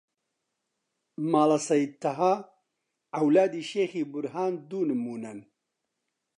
ماڵە سەید تەها، عەولادی شێخی بورهان دوو نموونەن